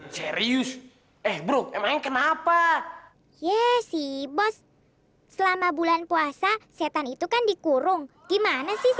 serius eh bro emangnya kenapa yes si bos selama bulan puasa setan itu kan dikurung gimana sih